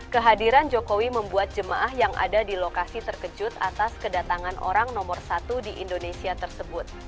kehadiran jokowi membuat jemaah yang ada di lokasi terkejut atas kedatangan orang nomor satu di indonesia tersebut